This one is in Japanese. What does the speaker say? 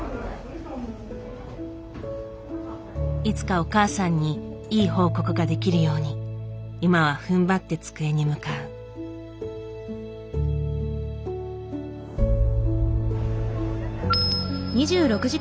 いつかお母さんにいい報告ができるように今はふんばって机に向かう。